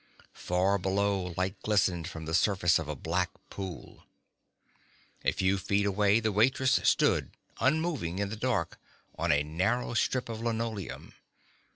Far below light glistened from the surface of a black pool. A few feet away the waitress stood unmoving in the dark on a narrow strip of linoleum.